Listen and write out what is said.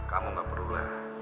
kamu gak perlulah